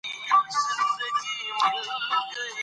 کلتور د افغانستان یو ډېر ستر او ارزښتمن طبعي ثروت ګڼل کېږي.